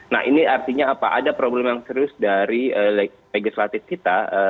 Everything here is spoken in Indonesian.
nah ini artinya apa ada problem yang serius dari legislatif kita